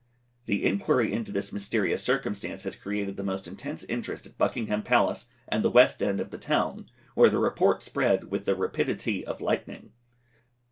The inquiry into this mysterious circumstance has created the most intense interest at Buckingham Palace and the west end of the of the town, where the report spread with the rapidity of lightning.